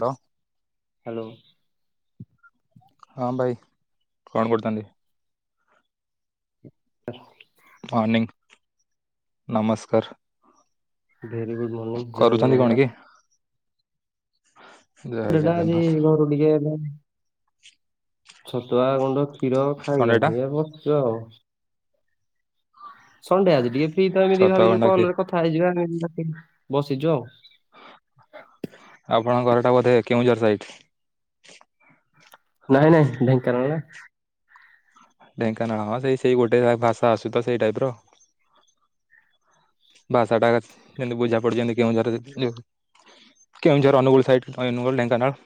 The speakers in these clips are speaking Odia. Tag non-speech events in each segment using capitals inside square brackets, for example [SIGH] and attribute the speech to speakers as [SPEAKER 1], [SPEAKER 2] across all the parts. [SPEAKER 1] ହ୍ୟାଲୋ।
[SPEAKER 2] ହ୍ୟାଲୋ।
[SPEAKER 1] ହଁ ଭାଇ କଣ କରୁଛନ୍ତି?
[SPEAKER 2] [UNINTELLIGIBLE]
[SPEAKER 1] ମନିଂ ନମସ୍କାର।
[SPEAKER 2] ଭେରି ଗୁଡ଼ ମୋର୍ନିଂ ଜୟ
[SPEAKER 1] କରୁଛନ୍ତି କଣ କି?
[SPEAKER 2] ଜଗନ୍ନାଥ।
[SPEAKER 1] ଜୟ
[SPEAKER 2] [UNINTELLIGIBLE] ବି
[SPEAKER 1] ଜଗନ୍ନାଥ
[SPEAKER 2] ଘରୁ ଟିକେ ହେଲେ ଛତୁଆ ଗୁଣ୍ଡ କ୍ଷୀର ଖାଇକି
[SPEAKER 1] ସଣ୍ଡେ ଟା
[SPEAKER 2] ଆସ ଏ ବସିଛୁ ଆଉ। ସଣ୍ଡେ ଆଜି ଟିକେ ଫି ତ ଏମିତି
[SPEAKER 1] ଛତୁଆ
[SPEAKER 2] ଭାବିଲୁ
[SPEAKER 1] ଗଣ୍ଡା ଖିରି
[SPEAKER 2] କଲରେ କଥା ହେଇଯିବ ଆମ ବସିଛୁ ଆଉ।
[SPEAKER 1] ଆପଣଙ୍କ ଘରଟା ବୋଧେ କେଉଁଝର ସାଇଟ୍?
[SPEAKER 2] ନାଇଁ ନାଇଁ ଢେଙ୍କାନାଳ ନା।
[SPEAKER 1] ଢେଙ୍କାନାଳ ହଁ ସେଇ ସେଇ ଗୋଟେ ଭାଷା ଆସୁ ତ ସେଇ ଟାଇପିର। ଭାଷା ଟା ଯେମି ତି ବୁଝା ପଡିଛନ୍ତି କେଉଁଝର କେଉଁଝଜର ଅନୁକୂଳ ସାଇଟ ଅନୁକୁଲ ଢେଙ୍କାନାଳ।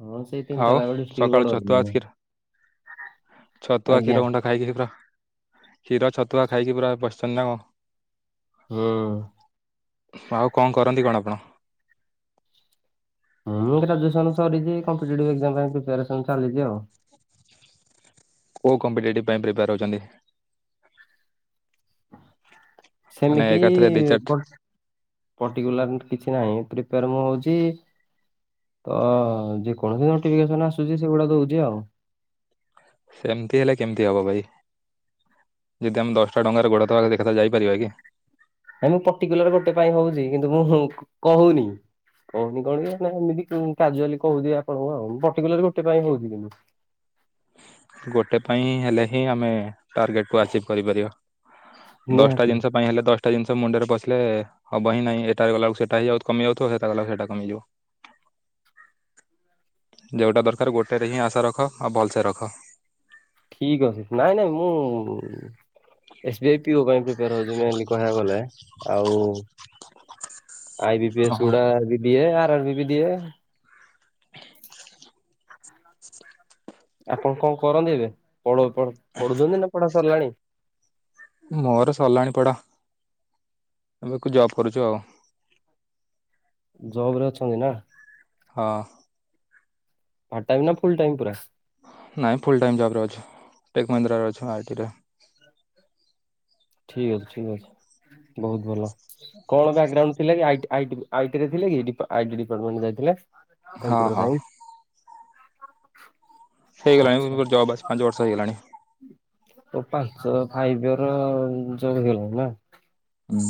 [SPEAKER 2] ହଁ। ସେଇ
[SPEAKER 1] ଆଉ
[SPEAKER 2] ତିନିଟାଯାକ ଡିଷ୍ଟ୍ରିକ୍ଟ
[SPEAKER 1] ସକାଳୁ
[SPEAKER 2] ବର୍ଡର
[SPEAKER 1] ଛତୁଆ କ୍ଷୀର ଛତୁଆ
[SPEAKER 2] ଆଜ୍ଞା
[SPEAKER 1] କ୍ଷୀର ଗଣ୍ଡା ଖାଇକି ପୁରା କ୍ଷୀର ଛତୁଆ ଖାଇକି ପୁରା ବସିଛନ୍ତି ନା କଣ?
[SPEAKER 2] ହୁଁ।
[SPEAKER 1] ଆଉ କଣ କରନ୍ତି କଣ ଆପଣ?
[SPEAKER 2] ହଁ ଗ୍ରାଜୁଏସନ ସରିଛି କମ୍ପିଟେଟିଭ ଏକ୍ଜାମ ପାଇଁ ପ୍ରିପାରେସନ ଚାଲିଛି ଆଉ।
[SPEAKER 1] କଉ କମ୍ପେଟେଟୀଵ ପାଇଁ ପ୍ରିପେୟାର ହଉଛନ୍ତି? ମାନେ ଏକାଥରେ ଦି ଚାରି
[SPEAKER 2] ସେମିତିଟିକୁଲାର କିଛି ନାହିଁ ପ୍ରିପୋର ମୁଁ ହଉଛି। ଅ ଯେକୌଣସି ନୋଟିଫିକେସନ ଆସୁଛି ସେଗୁଡା ଦଉଛି ଆଉ।
[SPEAKER 1] ସେମିତି ହେଲେ କେମିତି ହେବ ଭାଇ ଯଦି ଆମେ ଦଶଟା ଡଙ୍ଗାରେ ଗୋଡ଼ ଦବା ଦେଖ ଯାଇପାରିବା କି।
[SPEAKER 2] ନାଇ ମୁଁ ପର୍ଟିକୁଲାର ଗୋଟେ ପାଇଁ ହଉଛି କିନ୍ତୁ ମୁଁ କହୁନି। କହୁନି କଣ ଏମିତି କାଜୁଆଲି କହୁଛିି ଆପଣ ପାଟିକୁଳର ଗୋଟେ ପାଇଁ [UNINTELLIGIBLE]
[SPEAKER 1] ଗୋଟେ ପାଇଁ ହେଲେ ହିଁ ଆମେ ଟାର୍ଗେଟ ଆସିପ୍ କରିପାରିବା ଦଶଟା
[SPEAKER 2] ନିହାତି
[SPEAKER 1] ଜିନିଷ ପାଇଁ ହେଲେ ଦଶା ଦଶ ଟା ଜିନିଶ ମୁଣ୍ଡରେ ପଶିଲେ ହବହି ନାହିଁ ଏଟାରେ ଗଲାକୁ ସେଟା ହି ଆଉ କମି ଯାଉଥିବ ସେଟା ଗଲାକୁ ସେଟା କମିଯିବ। ଯେଉଁଟା ଦରକାର ଗୋଟେରେ ହିଁ ଆଶା ରଖ ଆଉ ଭଲସେ ରଖ।
[SPEAKER 2] ଠିକ ଅଛି ନାଇଁ ନାଇଁ ମୁଁ ଏସ୍ ବି ଆଇ ପିଇବା ପାଇଁ [UNINTELLIGIBLE] ଗଲେ ଆଉ ଆଇ ପି
[SPEAKER 1] ଓହୋ
[SPEAKER 2] ଗୁଡା ବିଏ ଆର ଆର ବି ଦିଏ। ଆପଣ କଣ କରନ୍ତି ଏବେ ପଢୁଛନ୍ତି ନା ପଢା ସାରିଲାଣି?
[SPEAKER 1] ମୋର ସରିଲାଣି ପଡା ଏବେକୁ ଜବ୍ କରୁଛୁ ଆଉ।
[SPEAKER 2] ଜବ ରେ ଅଛନ୍ତି ନା?
[SPEAKER 1] ହଁ।
[SPEAKER 2] ପାର୍ ଟାଇମ୍ ନା ଫୁଲ ଟାଇମ୍ ପୁରା?
[SPEAKER 1] ନାହିଁ ଫୁଲ୍ ଟାଇମ୍ ଜବ୍ର ଅଛୁ ଟେକ ମହିନ୍ଦ୍ରା ଅଛୁ ଆଇଟିରେ
[SPEAKER 2] ଠିକ ଅଛି ଠିକ ଅଛି ବହୁତ ଭଲ କଣ ବ୍ୟାକଗ୍ରାଉଣ୍ଡ ଥିଲା କି? ଆଇ ଆଇ ଟି ରେ ଥିଲେ କି ଆଇ ଟି ଡିପାର୍ଟମେଣ୍ଟ ଯାଇଥିଲା
[SPEAKER 1] ହଁ
[SPEAKER 2] କମ୍ପ୍ୟୁଟର
[SPEAKER 1] ହଁ
[SPEAKER 2] ସାଇନ୍ସ?
[SPEAKER 1] ହେଇଗଲାଣିର ଜବ ଆସିକି ପାଞ୍ଚ ବର୍ଷ ହେଇଗଲାଣି।
[SPEAKER 2] ତ ପାଞ୍ଚ ଫାଇବ ର ଯୋଗ ହେଇଲାଣି ନା?
[SPEAKER 1] ହୁଁ।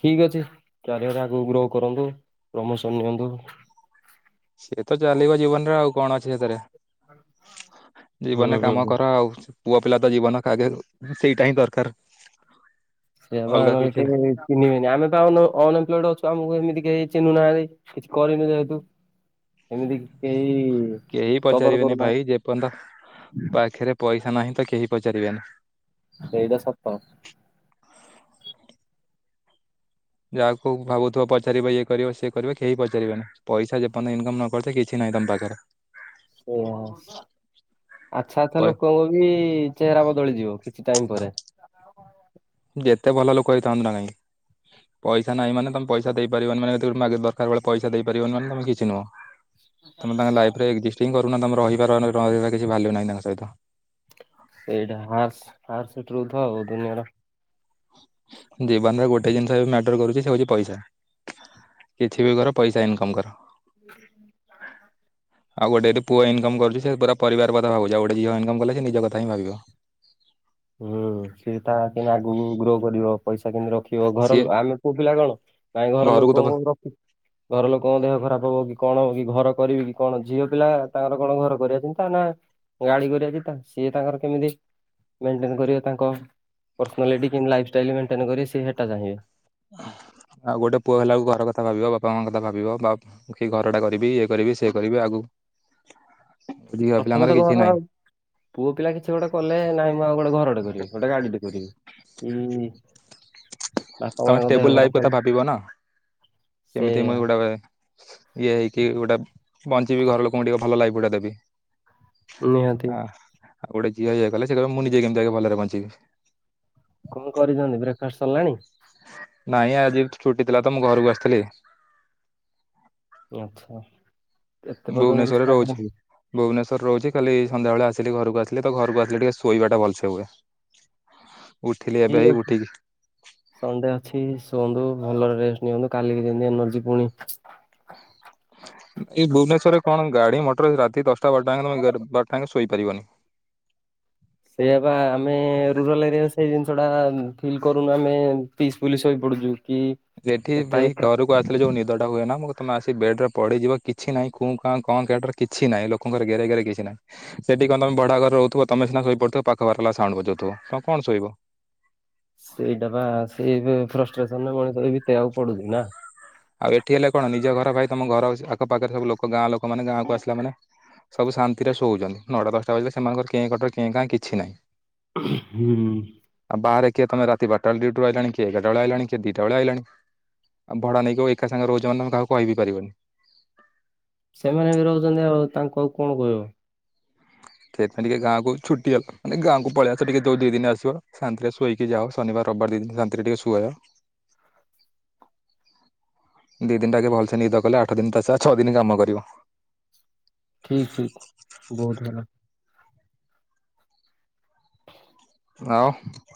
[SPEAKER 2] ଠିକ୍ ଅଛି କ୍ୟାରିଅର ଆଗକୁ ଗ୍ରୋ କରନ୍ତୁ ପ୍ରମୋସନ୍ ନିଅନ୍ତୁ।
[SPEAKER 1] ସିଏ ତ ଚାଲିବ ଜୀବନ ରେ ଆଉ କଣ ଅଛି ସେଥିରେ ଜୀବନ କାମ କର ଆଉ ପୁଅ ପିଲା ତ ଜୀବନ ଆଗେ ସେଇଟା ହିଁ ଦରକାର।
[SPEAKER 2] ସେୟାଵା
[SPEAKER 1] ଅଲଗା
[SPEAKER 2] ନହେଲେ
[SPEAKER 1] କିଛି
[SPEAKER 2] କେ
[SPEAKER 1] ନାହିଁ
[SPEAKER 2] ଚିହ୍ନିବେନି ଆମେ ଅନଏମ୍ପଡ ଅଛୁ ଆମକୁ ଏମିତି କେହି ଚିନୁନାହାନ୍ତି। କିଛି କରିନି ଯେହତୁ
[SPEAKER 1] କେହି
[SPEAKER 2] କଦର
[SPEAKER 1] ପଚାରିବେନି
[SPEAKER 2] କରୁନାହାନ୍ତି
[SPEAKER 1] ଭାଇ ଯେ ପର୍ଯ୍ୟନ୍ତ ପାଖରେ ପଇସା ନାହିଁ ତ କେହି ପଚାରିବେନି।
[SPEAKER 2] ସେଇଟା ସତ।
[SPEAKER 1] ଯାହାକୁ ଭାବୁଥିବ ପଚାରିବ ଇଏ କରିବ ସିଏ କରିବ କେହି ପଚାରିବେନି। ପଇସା ଯେପର୍ନ୍ତ ଇନକମ୍ ନ କରିଚ କିଛି ନାହିଁ ତମ ପାଖରେ।
[SPEAKER 2] ସେଇାଆ ଆଚ୍ଛା
[SPEAKER 1] ପ
[SPEAKER 2] ତାହେଲେ କଉ ବି ଚେହରା ବଦଳିଯିବ କିଛି ଟାଇମ ପରେ।
[SPEAKER 1] ଯେତେ ଭଲ ଲୋକ ହେଇଥାନ୍ତୁ ନା କାଇଁ ପଇସା ନାହିଁ ମାନେ ତମେ ପଇସା ଦେଇପାରିବନି ମାନେ ଯେତେବେଳକୁ ମାଗବୁ ଦଶ କାରବେଳେ ପଇସା ଦେଇପାରିବନି ମାନେ ତମେ କିଛି ନୁହଁ ତମେ ତାଙ୍କ ଲାଇଫରେ [UNINTELLIGIBLE]
[SPEAKER 2] [UNINTELLIGIBLE]
[SPEAKER 1] ଜୀବନରେ ଗୋଟେ ଜିନିଷ ଏବେ [UNINTELLIGIBLE] କରୁଚି ସେ ହଉଚି ପଇସା। କିଛି ବି କର ପଇସା ଇନକମ୍ କର। ଆଉ ଗୋଟେ ପୁଅ ଇନକମ୍ କରୁଚି ସେ ପୁରା ପରିବାର କଥା ଭାବୁଛି ଆଉ ଗୁଟେ ଝିଅ ଇନକମ୍ କଲେ ସେ ନିଜ କଥା ହି ଭାବିବ।
[SPEAKER 2] ହୁଁ ସେ ତା କିନ୍ଦି ଆଗକୁ ଗ୍ରୋ କରିବ। ପଇସା କେମିତି ରଖିବ ଘର
[SPEAKER 1] ସିଏ
[SPEAKER 2] ଆମେ ପୁଅ ପିଲା କଣ କାଇ ଘର
[SPEAKER 1] ଘରକୁ ତ
[SPEAKER 2] ଲୋକଙ୍କୁ ରଖି ଘର ଲୋକଙ୍କ ଦେହ ଖରାପ ହବ କି କଣ ହବ କି ଘର କରିବି କି କଣ ଝିଅ ପିଲା ତାଙ୍କର କଣ ଘର କରିବା ଚିନ୍ତା ନା ଗାଡି କରିବା ଚିନ୍ତା ସିଏ ତାଙ୍କର କେମିତି ମେଣ୍ଟେନ କରିବେ ତାଙ୍କ ପର୍ସନାଲିଟି କି ଲାଇଫ୍ ଷ୍ଟାଇଲ୍ ମେଣ୍ଟେନ କରିବ ସେ ସେଟା ଚାହିଁବେ।
[SPEAKER 1] ଆଉ ଗୋଟେ ପୁଅ ହେଲାକୁ ଘର କଥା ଭାବିବ ବାପା ମାଙ୍କ କଥା ଭାବିବ ବା କି ଘର ଟା କରିବି ଇଏ କରିବି ସେ କରିବି ଆଗ
[SPEAKER 2] ପ୍ରଥମେ ତ
[SPEAKER 1] କିଛି
[SPEAKER 2] ଘର
[SPEAKER 1] ନାହିଁ
[SPEAKER 2] ଆଉ। ପୁଅ ପିଲା କିଛି ଗୋଟେ କଲେ ନାହିଁ ମୁଁ ଆଉ ଗୋଟେ ଘରଟେ କରିବି ଗୋଟେ ଗାଡିଟେ କରିବି କି ବାପା
[SPEAKER 1] ତମେ
[SPEAKER 2] ମାଙ୍କ ଦେହ
[SPEAKER 1] ଷ୍ଟେବୁଲ ଲାଇଫ
[SPEAKER 2] ଖରାପ
[SPEAKER 1] କଥା
[SPEAKER 2] ହେଲେ
[SPEAKER 1] ଭାବିବ ନା କେମିତି
[SPEAKER 2] ସେଇଆ
[SPEAKER 1] ମୁଇ ଗୋଟେ ଏ ଇଏ ହେଇକି ଗୋଟେ ବଞ୍ଚିବି ଘର ଲୋକଙ୍କୁ ଟିକେ ଭଲ ଲାଇଫ୍ ଗୁଡା ଦେବି।
[SPEAKER 2] ନିହାତି
[SPEAKER 1] ହଁ ଆଉ ଗୋଟେ ଝିଅ ଏଇଆ କଲେ ସେ କହିବ ମୁଁ ନିଜେ କେମିତି ଆଗେ ଭଲରେ ବଞ୍ଚିବି।
[SPEAKER 2] କଣ କରିଚନ୍ତି ବ୍ରେକ୍ ଫାଷ୍ଟ ସଲାଣି?
[SPEAKER 1] ନାଇଁ ଆଜି ଛୁଟି ଥିଲା ତ ମୁଁ ଘରକୁ ଆସିଥିଲି।
[SPEAKER 2] ଆଛା।
[SPEAKER 1] ଭୁବନେଶ୍ଵରରେ ରହୁଛି। ଭୁବନେଶ୍ୱର ରହୁଚି କାଲି ସନ୍ଧ୍ୟାବେଳେ ଆସିଲି ଘରକୁ ଆସିଲେ ତ ଘରକୁ ଆସିଲେ ଟିକେ ଶୋଇବାଟା ଭଲସେ ହୁଏ। ଉଠିଲି ଏବେ
[SPEAKER 2] ଠିକ୍
[SPEAKER 1] ହି
[SPEAKER 2] ଅଛି
[SPEAKER 1] ଉଠିକି
[SPEAKER 2] ସଣ୍ଡେ ଅଛି ଶୁଅନ୍ତୁ ଭଲରେ ରେଷ୍ଟ ନିଅନ୍ତୁ କାଲିକି ଯେମତି ଏନର୍ଜି ପୁଣି
[SPEAKER 1] ଏଇ ଭୁବନେଶ୍ଵର ରେ କଣ ଗାଡି ମଟର ରାତି ଦଶଟା ବାରଟା ଆଙ୍କେ ତମେ ବାରଟା ଆଙ୍କେ ଶୋଇପାରିବନି।
[SPEAKER 2] ସେଇଆ ବା ଆମେ ରୁରାଲ ଏରିଆରେ ସେଇ ଜିନିଷ ଟା ଫିଲ୍ କରୁନୁ ଆମେ ପିସ୍ ପୁଲି ସୁଇ ପଡୁଚୁ କି
[SPEAKER 1] ସେଠି
[SPEAKER 2] ଏତେ
[SPEAKER 1] ଭାଇ ଡ଼ରକୁ କୁ ଆସିଲେ ଯୋଉ ନିଦ ଟା ହୁଏ ନା ମୁଁ ତମେ ଆସି ବେଡ ରେ ପଡିଯିବ କିଛି ନାଇଁ କୁଁ କାଁ କ କଟର କିଛି ନାହିଁ ଲୋକଙ୍କର ଗେରେ ଗେରେ କିଛି ନାହିଁ। ସେଠି କଣ ତମେ ଭଡା ଘରେ ରହୁଥିବ ତମେ ସିନା ଶୋଇ ପଡିଥିବ ପାଖ [UNINTELLIGIBLE] ଵାଲା ହେଲା ସାଉଣ୍ଡ ବଜଉଥିବ ତମ କଣ ଶୋଇବ।
[SPEAKER 2] ସେଇଟା ବା ସେଇ ଫ୍ରଷ୍ଟ୍ରେସନରେ ମଣିଷ ବି ବିତେଇବାକୁ ପଡୁଚି ନା।
[SPEAKER 1] ଆଉ ଏଠି ହେଲେ କଣ ନିଜ ଘର ଭାଇ ତମ ଘର ଆଖ ପାଖରେ ସବୁ ଲୋକ ଗାଁ ଲୋକ ମାନେ ଗାଁକୁ ଆସିଲା ମାନେ ସବୁ ଶାନ୍ତିରେ ଶୋଉଛନ୍ତି ନଅଟା ଦଶଟା ବାଜିଲେ ସେମାନଙ୍କର କେଁ କଟର କେଁ କାଁ କିଛି ନାହିଁ।
[SPEAKER 2] ହୁଁ।
[SPEAKER 1] ଆଉ ବାହାରେ କିଏ ତମେ ରାତି ବାରଟା ବେଳେ ଡିଉଟି ଆଇିଲାଣି କିଏ ଏଗାରଟା ବେଳେ ଆଇଲାଣି କିଏ ଦିଟା ବେଳେ ଆଇଲାଣି ଆଉ ଭଡା ନେଇ ଯଉ ଏକା ସାଙ୍ଗରେ ରହୁଚ ମାନେ ତମେ କାହାକୁ କହିିବି ପାରିବନି।
[SPEAKER 2] ସେମାନେ ବି ରହୁଚନ୍ତି ଆଉ ତାଙ୍କୁ ଆଉ କଣ କହିବ?
[SPEAKER 1] ସେଇଥିପଁ ଟିକେ ଗାଁକୁ ଛୁଟି ହେଲାନେ ଗାଁକୁ ପଳେଇ ଆସ ଟିକେ ଯୋ ଦି ଦିନ ଆସିବ ଶନ୍ତିରେ ଶୋଇକି ଟିକେ ଯାଅ ଶନିବାର ରବିବାର ଦି ଦିନ ଶାନ୍ତିରେ ଟିକେ ଶୁହଅ।
[SPEAKER 2] [INAUDIBLE]
[SPEAKER 1] ଦି ଦିନଟାକେ ଭଲସେ ନିଦ କଲେ ଆଠ ଦିନ ତସ ଛଅ ଦିନ କାମ କରିବ।
[SPEAKER 2] ଠିକ୍ ଠ ବହୁତ ଭଲ।
[SPEAKER 1] ଆଉ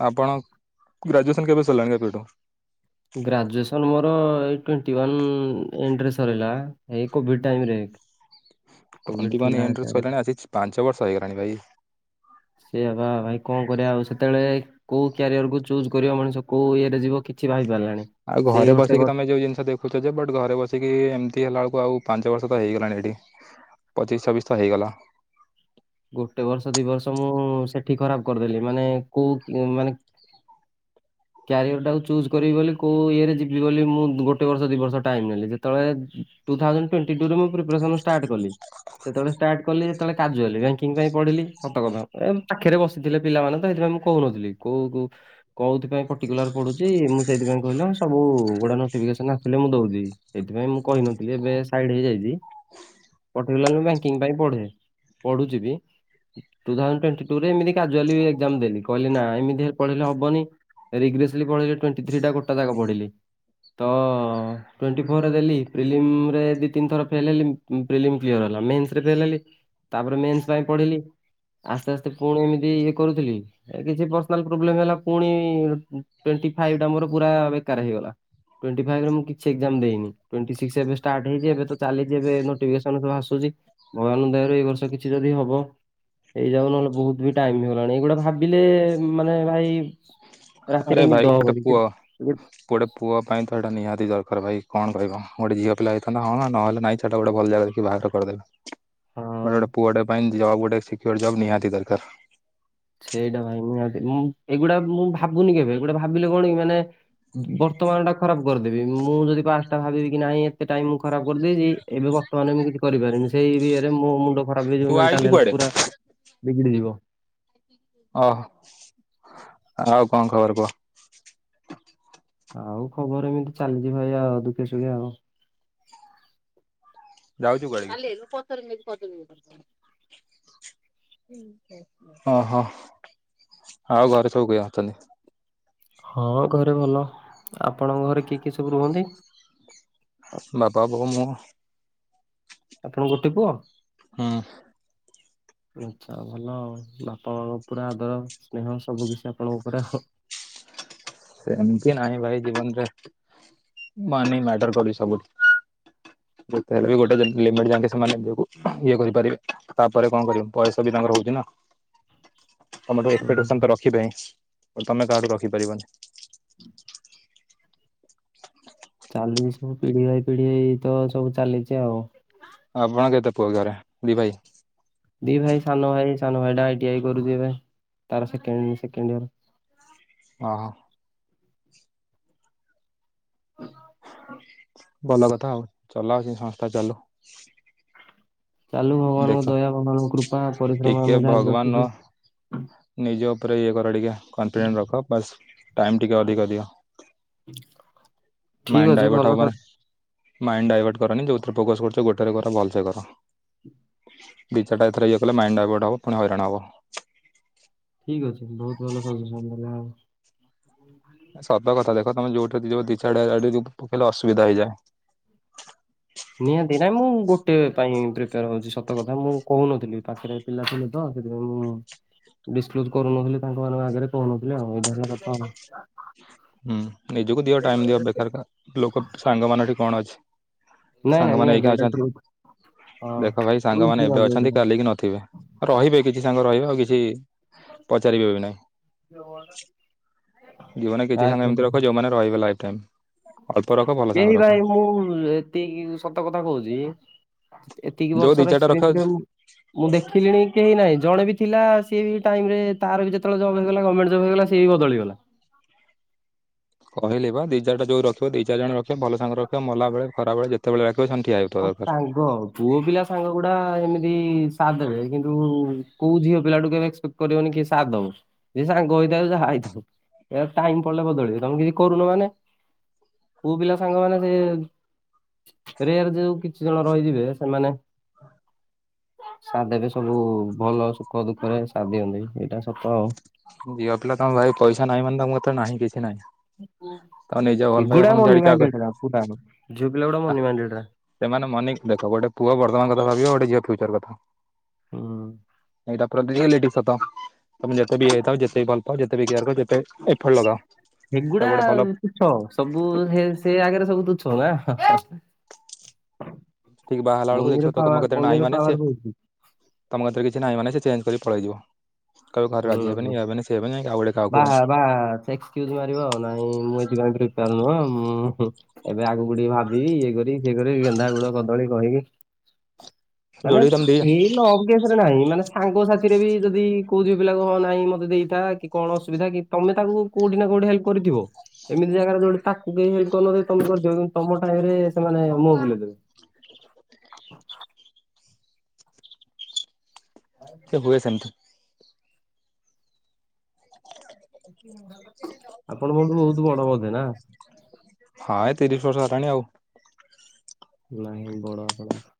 [SPEAKER 1] ଆପଣ ଗ୍ରାଜୁଏସନ୍ କେବେ ସରିଲାଣି କେବେଠୁ?
[SPEAKER 2] ଗ୍ରାଜୁଏସ ମୋର ଏଇ ଟ୍ବେଣ୍ଟି ୱାନ ଏଣ୍ଡ ରେ ସରିଲା ଏ କୋଭି [INAUDIBLE]
[SPEAKER 1] [UNINTELLIGIBLE] କହିଲଣି ଆଜିକି ପାଞ୍ଚ ବର୍ଷ ହେଇଗଲାଣି ଭାଇ।
[SPEAKER 2] ସେଏ ପା ଭାଇ କଣ କରିବା ଆଉ ସେତେବେଳେ କୋଉ କ୍ୟାରିଅର କୁ ଚୁଜ୍ କରିବ ମଣିଷ କୋଉ ଇଏରେ ଯିବ କିଛି ଭାବି ପାରିଲାଣି।
[SPEAKER 1] ଆଉ ଘରେ ବସିକି ତମେ ଯୋଉ ଜିନିଷ ଦେଖ ଛ ଯେ ବଟ୍ ଘରେ ବସିକି ଏମିତି ହେଲାବେଳକୁ ଆଉ ପାଞ୍ଚ ବର୍ଷ ତ ହେଇଗଲାଣି ଏଇଠି। ପଚିଶ ଚବିଶ ତ ହେଇଗଲା।
[SPEAKER 2] ଗୋଟେ ବର୍ଷ ଦି ବର୍ଷ ମୁଁ ସେଠି ଖରାପ କରିଦେଲି ମାନେ କୋଉ ମାନେ [INAUDIBLE] କ୍ୟାରିଅର ଟାକୁ ଚୁଜ୍ କରିବି ବୋଲି କଉଁ ଇଏରେ ଯିବି ବୋଲି ମୁଁ ଗୋଟେ ବର୍ଷ ଦିଇ ବର୍ଷ ଟାଇମ ନେଲି ଯେତେବେଳେ ଟୁଥାଉଜଣ୍ଡ ଟୁଅନ୍ଟି ଟୁ ରେ ମୁଁ ପ୍ରିପରେସନ ଷ୍ଟାଟ୍ କଲି ସେତେବେଳେ ଷ୍ଟାଟ କଲି ସେତେବେଳେ କାଜୁଆଲି କା ବ୍ୟାଙ୍କିଙ୍କ ପାଇଁ ପଢିଲି ସତ କଥା। ଏ ପାଖରେ ବସିଥିଲେ ପିଲାମାନେ ତ ସେଥିପାଇଁ ମୁଁ କହୁନଥିଲି କୋଉ କୋଉ କୋଉଥିପାଇଁ ପର୍ଟିକୁଲାର ପଡୁଚି ମୁଁ ସେଇଥିପାଇଁ କହିଲ ସବୁ ଗୋଟେ ନୋଟିଫିକେସନ ଆସିଲେ ମୁଁ ଦଉଛି। ସେଇଥିପାଇଁ ମୁଁ କହିନଥିଲି ଏବେ ସାଇଡ ହେଇଯାଇଚି। ପର୍ଟିକୁଲାର ଲି ମୁଁ ବ୍ୟାଙ୍କିଙ୍ଗ ପାଇଁ ପଢେ ପଢୁଚି ବି। ଟୁ ଥାଉଜଣ୍ଡ ଟୋଣ୍ଟି ଟୁ ରେ ଏମିତି କାଜୁଆଲି ଏକ୍ ଜାମ୍ ଦେଲି। କହିଲି ନା ଏମତି ହେଲେ ପଢେଇଲେ ହବନି। ରି ଗ୍ରେଶ୍ଲି ପଢିଲି ଟୋଣ୍ଟି ଥ୍ରି ଟା ଗୋଟା ଜାକ ପଢ଼ିଲି। ତ ଟୋଣ୍ଟି ଫୋରରେ ଦେଲି ପ୍ରିଲିମରେ ଦି ତିନି ଥର ଫେଲ ହେଲି। ପ୍ରିଲିମ୍ କ୍ଲିଅର ହେଲା ମେନ୍ସ ରେ ଫେଲ ହେଲି ତାପରେ ମେନ୍ସ ପାଇଁ ପଢିଲି। ଆସ୍ତେ ଆସ୍ତେ ପୁଣି ଏମିତି ଇଏ କରୁଥିଲି। କିଛି ପରସନା୍ଲ ପ୍ରୋବ୍ଲେମ ହେଲା ପୁଣି ଟୋଣ୍ଟି ଫାଇଭ୍ ଟା ମୋର ପୁରା ବେକାର ହେଇଗଲା। ଟୋଣ୍ଟି ଫାଇଭ୍ ରେ ମୁଁ କିଛି ଏକ୍ ଜାମ ଦେଇନି। ଟୋଣ୍ଟି ସିକଷ ଏବେ ଷ୍ଟାର୍ଟ ହେଇଛି ଏବେ ଚାଲିଛି ଏବେ ନୋଟିଫି କେଶନ୍ ସବୁ ଆସୁଚି। ଭଗବାନଙ୍କ ଦୟାରୁ ଏଇ ବର୍ଷ କିଛି ଯଦି ହବ ହେଇ ଯାଉ ନହେଲେ ବହୁତ ବି ଟାଇମ ହେଇଗଲାଣି। ଏଇଗୁଡ଼ା ଭାବିଲେ ମାନେ ଭାଇ
[SPEAKER 1] ଆରେ
[SPEAKER 2] ରାତିରେ
[SPEAKER 1] ଭାଇ
[SPEAKER 2] ନିଦ
[SPEAKER 1] ଗୋଟେ
[SPEAKER 2] ହେବନି।
[SPEAKER 1] ପୁଅ ଗୋଟେ ପୁଅ ପାଇଁ ତ ଏଟା ନିହାତି ଦରକାର ଭାଇ। କଣ କରିବ ଗୋଟେ ଝିଅିପିଲା ହେଇଥାନ୍ ହଁ ନହେଲେ ନାଇଁ ଛାଡ ଗୋଟେ ଭଲ ଜାଗା ବାହା ତ କରିଦେଲେ
[SPEAKER 2] [INAUDIBLE]
[SPEAKER 1] ମାନେ ଗୋଟେ
[SPEAKER 2] ହଁ
[SPEAKER 1] ପୁଅଟେ ପାଇଁ ଜବ୍ ଗୋଟେ ସିକୁଅର ଜବ ନିହାତି ଦରକାର।
[SPEAKER 2] ସେଇଟା ଭାଇ ନିହାତି ମୁଁ ଏଇଗୁଡା ମୁଁ ଭାବୁନି କେବେ ଏଗୁଡା ଭାବିଲେ କଣ କି ମାନେ ବର୍ତ୍ତମାନ ଟା ଖରାପ କରିଦେବି। ମୁଁ ଯଦି ପାଷ୍ଟଟା ଭାବିବି କି ନାହିଁ ଏତେ ଟାଇମ ମୁ ଖରାପ କରିଦେଇଚି। ଏବେ ବର୍ତ୍ତମାନ ମୁଁ କିଛି କରିପାରିବିନି ସେଇ ଏରୀୟାରେ ମୋ ମୁଣ୍ଡ ଖରାପ
[SPEAKER 1] ତୁ
[SPEAKER 2] ହେଇଯିବ।
[SPEAKER 1] ଆଇଛୁ
[SPEAKER 2] ମେଣ୍ଟାଲ୍ ହେଲାଥ
[SPEAKER 1] କୁଆଡେ?
[SPEAKER 2] ପୁରା ବିଗିଡିଯିବ।
[SPEAKER 1] ଓହୋ ଆଉ କଣ ଖବର କୁହ?
[SPEAKER 2] ଆଉ ଖବର ଏମିତି ଚାଲିଚି ଭାଇ ଆଉ ଦୁଖେ ଶୁଖେ ଆଉ।
[SPEAKER 1] ଯାଉଚ କୁଆଡେ? ଓହୋ ଆଉ ଘରେ ସବୁ କିଏ ଅଛନ୍ତି?
[SPEAKER 2] ହଁ ଘରେ ଭଲ। ଆପଣଙ୍କ ଘରେ କିଏ କିଏ ସବୁ ରୁହନ୍ତି?
[SPEAKER 1] ବାପା, ବୋଉ, ମୁଁ।
[SPEAKER 2] ଆପଣ ଗୋଟେ ପୁଅ?
[SPEAKER 1] ହଁ।
[SPEAKER 2] [INAUDIBLE] ଆଛା ଭଲ ଆଉ ବାପା ମାଙ୍କ ପୁରା ଆଦର ସ୍ନେହ ସବୁ କିିଛି ଆପଣଙ୍କ ଉପରେ ଆଉ।
[SPEAKER 1] ସେମିତି ନାହିଁ ଭାଇ ଜୀବନରେ ମନି ମ୍ୟାଟର କରିବ ସବୁଠୀ। ଯେତେ ହେଲେ ବି ଗୋଟେ ଲିମ୍ ଲିମିଟ୍ ଯାଙ୍କେ ସେମାନେ ନିଜକୁ ଇଏ କରିପାରିବେ ତାପରେ କଣ କରିବ ପଇସା ବି ତାଙ୍କର ହଉଛି ନା। ତମଠୁ
[SPEAKER 2] ହୁଁ
[SPEAKER 1] ଏକ୍ସପେକ୍ଟେସନ୍ ତ ରଖିବେ ହିଁ ତମେ କାହାଠୁ ରଖିପାରିବନି।
[SPEAKER 2] ହୁଁ। ଚାଲିଛି ପିଢି ବାଇ ପିଢି ଏଇ ତ ସବୁ ଚାଲିଛି ଆଉ।
[SPEAKER 1] ଆପଣ କେତେ ପୁଅ ଘରେ ଦି ଭାଇ?
[SPEAKER 2] ଦି ଭାଇ ସାନ ଭାଇ ସାନ ଭାଇଟା ଆଇଟିଆଇ କରୁଛି ଏବେ ତାର ସେକେଣ୍ଡ ସେକେଣ୍ଡ ଇୟର।
[SPEAKER 1] ଓ ହୋ।
[SPEAKER 2] [INAUDIBLE]
[SPEAKER 1] ଭଲ କଥା ଆଉ ଚଲାଉଛି ସଂସ୍ଥା ଚାଲୁ।
[SPEAKER 2] ଚାଲୁ ଭଗବାନଙ୍କ
[SPEAKER 1] ଦେଖ
[SPEAKER 2] ଦୟା ଭଗବାନଙ୍କ କୃପା ପରିଶ୍ରମ
[SPEAKER 1] ଟିକେ
[SPEAKER 2] ଅନୁଯାୟୀ ରଖଛୁ।
[SPEAKER 1] ଭଗବାନ ନିଜ ଉପରେ ଇଏ କର ଟିକେ କନଫିଡେନ୍ସ୍ ରଖ ବାସ୍ ଟାଇମ୍ ଟିକେ ଅଧିକ ଦିଅ।
[SPEAKER 2] ଉଁ।
[SPEAKER 1] ମାଇଣ୍ଡ ଡାଇଭର୍ଟ ହବ ମାନେ ମାଇଣ୍ଡ ଡାଇଭର୍ଟ କରନି ଯୋଉଥିରେ ଫୋକସ୍ କରୁଛ ଗୋଟେରେ କର ଭଲସେ କର। ଦି ଚାରିଟା ଏଥେରେ ଇଏ କଲେ ମାଇଣ୍ଡ ଡ଼ାଇଭର୍ଟ ହବ ପୁଣି ହଇରାଣ ହବ।
[SPEAKER 2] ଠିକ୍ ଅଛି ବହୁତ ଭଲ ସଜେସନ୍ ଦେଲେ ଆଉ।
[SPEAKER 1] ଏ ସତ କଥା ଦେଖ ତମେ ଯୋଉଠି ଯୋଉ ଦି ଚାରିଟା ସେଠି ଯୋଉ ପକେଇଲ ଅସୁବିଧା ହେଇଯାଏ।
[SPEAKER 2] ନିହାତି ନାଇଁ ମୁଁ ଗୋଟେ ପାଇଁ ପ୍ରିପେୟାର୍ ହଉଛି ସତ କଥା ମୁଁ କହୁନଥିଲି ପାଖରେ ପିଲା ଥିଲେ ତ ସେଥିପାଇଁ ମୁଁ ଡିସକ୍ଲୋଜ୍ କରୁନଥିଲି ତାଙ୍କ ମାନଙ୍କ ଆଗରେ କହୁନଥିଲି ଆଉ ଏଇଟା ହେଲା କଥା ଆଉ।
[SPEAKER 1] ହୁଁ ନିଜକୁ ଦିଅ ଟାଇମ୍ ଦିଅ ବେକାର କାହା ଲୋକ ତ ସାଙ୍ଗ ମାନଙ୍କଠି କଣ ଅଛି।
[SPEAKER 2] ନାଇଁ ନାଇଁ
[SPEAKER 1] ସାଙ୍ଗମାନେ ଏଇକା
[SPEAKER 2] ନିଅନ୍ତି ଏଇଟା
[SPEAKER 1] ଅଛନ୍ତି
[SPEAKER 2] ଟ୍ରୁ। ହଁ
[SPEAKER 1] ଦେଖ ଭାଇ
[SPEAKER 2] ଟ୍ରୁଥ
[SPEAKER 1] ସାଙ୍ଗମାନେ ଏବେ
[SPEAKER 2] ଆଜ୍ଞା
[SPEAKER 1] ଅଛନ୍ତି କାଲି କି ନଥିବେ ରହିବେ କିଛି ସାଙ୍ଗ ରହିବେ ଆଉ କିଛି ପଚାରିବେ ବି ନାହିଁ ଜୀବନରେ କିଛି ସାଙ୍ଗ ଏମିତି ରଖ ଯେ ଯୋଉମାନେ ରହିବେ ଲାଇଫ୍ ଟାଇମ୍।
[SPEAKER 2] ଏଇ ଭାଇ ମୁଁ ଏତିକି ସତ କଥା କହୁଛି ଏତିକି ଏତିକି
[SPEAKER 1] ଯୋଉ ଦି
[SPEAKER 2] ବର୍ଷର
[SPEAKER 1] ଚାରିଟା
[SPEAKER 2] ଏକ୍ସପିରିଏନ୍ସ୍
[SPEAKER 1] ରଖ
[SPEAKER 2] ବି ମୁଁ ମୁଁ ଦେଖିଲିଣି କେହି ନାହିଁ ଜଣେ ବି ଥିଲା ସିଏ ବି ଟାଇମ୍ ରେ ତାର ବି ଯେତବେଳେ ଜବ୍ ହେଇଗଲା ଗଭର୍ମେଣ୍ଟ ଜବ୍ ହେଇଗଲା ସେ ସେ ବି ବଦଳିଗଲା।
[SPEAKER 1] କହିଲି ବା ଦି ଚାରିଟା ଯୋଉ ରଖିବ ଦି ଚାରିଜଣ ରଖିବ ଭଲ ସାଙ୍ଗ ରଖିବ ମଲାବେଳେ ଖରାବେଳେ ଯେତେବେଳେ ଡାକିବ ସେମାନେ ଠିଆ ହେବେ।
[SPEAKER 2] ହଁ ସାଙ୍ଗ ଆଉ। ପୁଅ ପିଲା ସାଙ୍ଗ ଗୁଡା ଏମିତି ସାତ୍ ଦେବେ କିନ୍ତୁ କୋଉ ଝିଅ ପିଲାଠୁ କେବେ ଏକ୍ସପେକ୍ଟେ କରିବନି କି ସାତ୍ ଦବ ଯିଏ ସାଙ୍ଗ ହେଇଥାଉ କି ଯାହା ହେଇଥାଉ। ଏୟା ଟାଇମ୍ ପଡିଲେ ବଦଳିବେ ତମେ କିଛି କରୁନ ମାନେ ପୁଅ ପିଲା ସାଙ୍ଗମାନେ ସେ ରେଆର୍ ଯୋଉ କିଛି ଜଣ ରହିଯିବେ ସେମାନେ
[SPEAKER 1] ହଁ।
[SPEAKER 2] ସାଧବେ ସବୁ ଭଲ ସୁଖ ଦୁଃଖର ସାତ୍ ଦିଅନ୍ତି ଏଇଟା ସତ ଆଉ।
[SPEAKER 1] ଝିଅ ପିଲା ତମ ପାଖରେ ପଇସା ନାହିଁ ମାନେ ତମ ପାଖରେ ନାହିଁ କିଛି ନାହିଁ। ତମ ନିଜ ଭଲ ଭାଇବା ତମକୁ ଛାଡିକି ଆଉ କା
[SPEAKER 2] କାହାକୁ ଝିଅ ପିଲାଗୁଡା ଭୋଲିଭାଲି ଗୁଡା।
[SPEAKER 1] ସେମାନେ ମନେଇକି ଦେଖ ଗୋଟେ ପୁଅ ବର୍ତ୍ତମାନ କଥା ଭାବିବ ଗୋଟେ ଝିଅ ଫ୍ୟୁଚର୍ କଥା।
[SPEAKER 2] ହୁଁ।
[SPEAKER 1] ଏଇଟା ପୁରା ରିୟାଲିଟି ସତ ତମେ ଯେତେ ବି ହେଇଥାଉ ଯେତେ ବି ଭଲପାଅ ଯେତେ ବି କେୟାର୍ କର ଯେତେ ବି ଏଫର୍ଟ ଲଗାଅ
[SPEAKER 2] ସେଗୁଡା
[SPEAKER 1] ତାକୁ ଗୋଟେ ଭଲ
[SPEAKER 2] ଆଉ ତୁଚ୍ଛ ସବୁ ସେ ସେ ଆଗରେ ସବୁ ତୁଚ୍ଛବା ଏ।
[SPEAKER 1] ଠିକ ବାହା ହେଲା ବେଳକୁ
[SPEAKER 2] ମନ୍ଦିର
[SPEAKER 1] ଦେଖିବ ତମ
[SPEAKER 2] ପାୱାର୍
[SPEAKER 1] କତିରେ ନାହିଁ
[SPEAKER 2] ମନ୍ଦିର
[SPEAKER 1] ମାନେ ସେ
[SPEAKER 2] ପାୱାର୍ ରହୁଛି।
[SPEAKER 1] ତମ କଥରେ କିଛି ନାହିଁ ମାନ ସିଏ ଚେଞ୍ଜ କରିକି ପଳେଇଯିବ କହିବ ଘରେ ରାଜି ହେବେନି
[SPEAKER 2] ବହୁତ।
[SPEAKER 1] ଇଏ ହେବେନି ସିଏ ହେବେନି ଯାଇକି ଆଉଗୋଟେ କାହାକୁ
[SPEAKER 2] କ୍ୟୁଜ ମାରିବ ଆଉ ନାଇଁ ମୁଁ ଏଥିପାଇଁ ପ୍ରିପେୟାର ନୁହଁଁ ଏବେ ଆଗକୁ ଟିକେ ଭାବିବି ଇଏ କରିବି ସିଏ କରିବି ଗେନ୍ଧା ଗୁଡ କଦଳୀ କହିକି ମାନେ
[SPEAKER 1] ଯୋଡିକି ତମେ ଦି
[SPEAKER 2] ଏଇ ଲବ କେସରେ ନାଇଁ ମାନେ ସାଙ୍ଗସଥିରେ ବି ଯଦି କୋଉ ଝିଅପିଲା ହଁ ନାଇଁ ମତେ ଦେଇଥା କି କଣ ଅସୁବିଧା କି ତମେ ତାକୁ କୋଉ କୋଉଠି ନା କୋଉଠି ହେଲପ୍ କରିଥିବ। ଏମିତି ଜାଗାରେ ଯୋଉଠି ତାକୁ କେହି ହେଲପ୍ କରି ନଥିବେ ତମେ କରିଥିବ କିନ୍ତୁ ତମ ଟାଇମରେ ସେମାନେ ମୁଁହ ବୁଲେଇଦେବେ। ୱାଇଫ୍
[SPEAKER 1] ଏ ହୁଏ ସେମତି।
[SPEAKER 2] ଆପଣ ମୋଠୁ ବୋହୁତ ବଡ ବଧେ ନା?
[SPEAKER 1] ହଁ ଏ ତିରିଶ ବର୍ଷ ହେଲାଣି ଆଉ।
[SPEAKER 2] ନାହିଁ ବଡ଼ ଆପଣ।